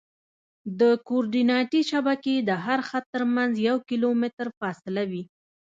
د کورډیناتي شبکې د هر خط ترمنځ یو کیلومتر فاصله وي